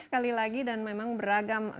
sekali lagi dan memang beragam